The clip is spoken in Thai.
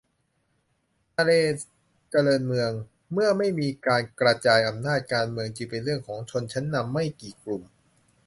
ธเนศวร์ เจริญเมือง : เมื่อไม่มีการกระจายอำนาจ การเมืองจึงเป็นเรื่องของชนชั้นนำไม่กี่กลุ่ม